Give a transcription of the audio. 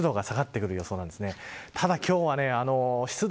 湿度が下がってくる予想なんですね。